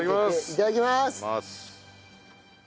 いただきます。